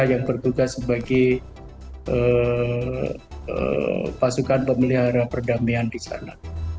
yang bertugas sebagai pasukan pemelihara perdamaian di sana